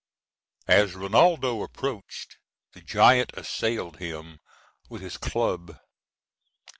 As Rinaldo approached, the giant assailed him with his club.